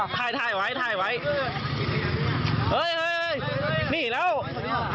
กวาง